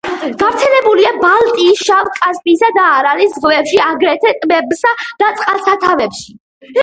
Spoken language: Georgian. გავრცელებულია ბალტიის, შავ, კასპიისა და არალის ზღვებში, აგრეთვე ტბებსა და წყალსატევებში.